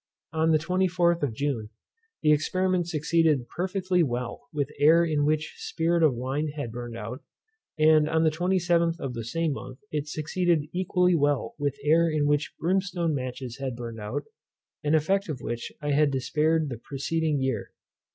On the 24th of June the experiment succeeded perfectly well with air in which spirit of wine had burned out, and on the 27th of the same month it succeeded equally well with air in which brimstone matches had burned out, an effect of which I had despaired the preceding year.